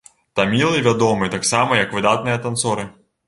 Тамілы вядомы таксама як выдатныя танцоры.